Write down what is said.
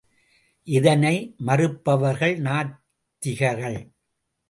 இதனை மறுப்பவர்கள் நாத்திகர்கள்.